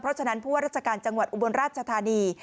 เพราะฉะนั้นผู้ว่าราชการจังหวัดอุบลราชธานี